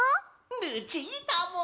ルチータも。